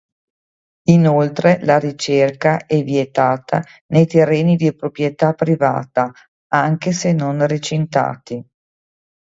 Inoltre la ricerca è vietata nei terreni di proprietà privata, anche se non recintati.